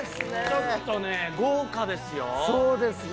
ちょっとね豪華ですよ。